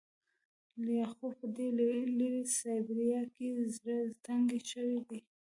لیاخوف په دې لیرې سایبریا کې زړه تنګی شوی دی